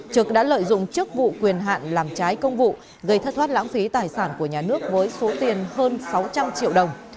trực đã lợi dụng chức vụ quyền hạn làm trái công vụ gây thất thoát lãng phí tài sản của nhà nước với số tiền hơn sáu trăm linh triệu đồng